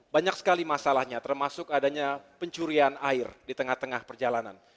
banyak sekali masalahnya termasuk adanya pencurian air di tengah tengah perjalanan